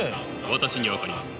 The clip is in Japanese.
私には分かります。